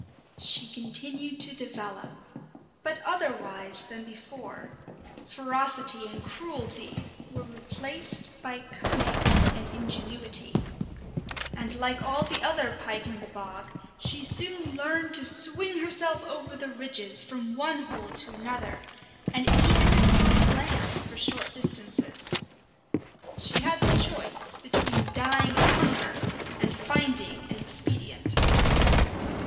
She continued to develop, but otherwise than before; ferocity and cruelty were replaced by cunning and ingenuity. And like all the other pike in the bog, she soon learned to swing herself over the ridges from one hole to another, and even to cross land for short distances. She had the choice between dying of hunger and finding an expedient.